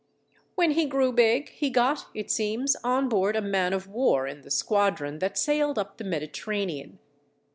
When he grew big, he got, it seems, on board a man of war in the squadron that sailed up the Mediterranean.